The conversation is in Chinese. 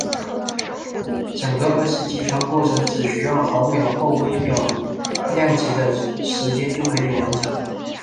整个二次击穿过程只需要毫秒或微秒量级的时间就可以完成。